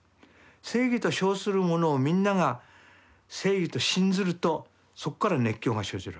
正義と称するものをみんなが正義と信ずるとそこから熱狂が生じるわけ。